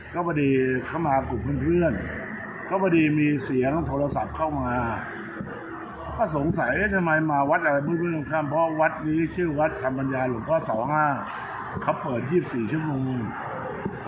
กว่าจะขอคุยกันเลยนะคุยกันเลยจะได้จบ